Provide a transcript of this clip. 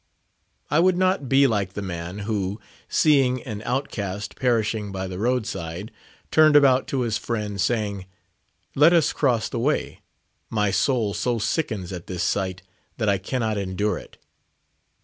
I would not be like the man, who, seeing an outcast perishing by the roadside, turned about to his friend, saying, "Let us cross the way; my soul so sickens at this sight, that I cannot endure it."